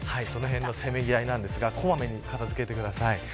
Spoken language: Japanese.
そのへんのせめぎ合いなんですが小まめに片づけてください。